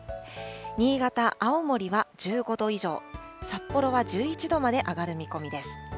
新潟、青森は１５度以上、札幌は１１度まで上がる見込みです。